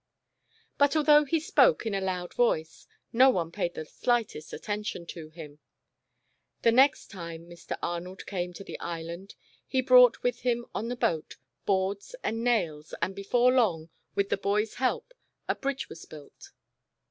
But although he spoke in a loud voice, no one paid the slightest attention to him. The next time Mr. Arnold came to the Island he brought with him on the boat, boards and nails, and before long, with the boy's help, a bridge was built.